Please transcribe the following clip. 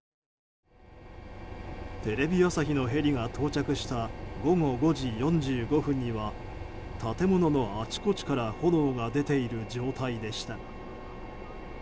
テレビ朝日のヘリが到着した午後５時４５分には建物のあちこちから炎が出ている状態でした。